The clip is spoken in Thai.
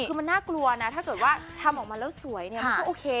คือมันน่ากลัวนะถ้าเกิดว่าทำออกมาแล้วสวยเนี่ยมันก็โอเค